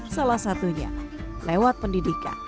salah satunya lewat pendidikan